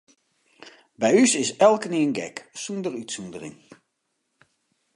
By ús is elkenien gek, sûnder útsûndering.